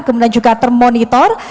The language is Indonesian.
kemudian juga termonitor